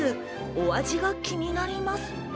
お味が気になります。